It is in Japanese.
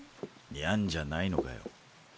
「ニャン」じゃないのかよ。